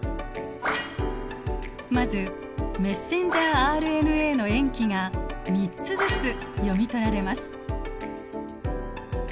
まずメッセンジャーＲＮＡの塩基が３つずつ読み取られます。